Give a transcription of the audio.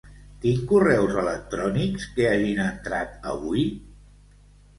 Tinc correus electrònics que hagin entrat avui?